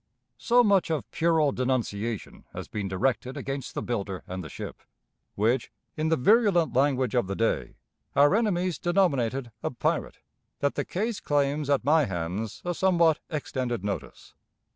So much of puerile denunciation has been directed against the builder and the ship, which, in the virulent language of the day, our enemies denominated a "pirate," that the case claims at my hands a somewhat extended notice.